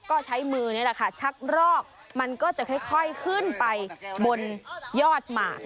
ก็ใช้มือนี่แหละค่ะชักรอกมันก็จะค่อยขึ้นไปบนยอดหมาก